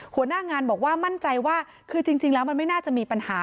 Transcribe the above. หัวหน้างานบอกว่ามั่นใจว่าคือจริงแล้วมันไม่น่าจะมีปัญหา